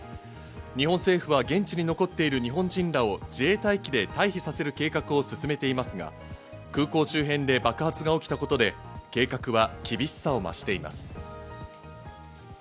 日本政府は現地に残っている日本人らを自衛隊機で退避させる計画を進めていますが、空港周辺で爆発が起きたことで計画は厳しさを増しています。